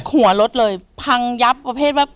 หัวรถเลยพังยับประเภทว่า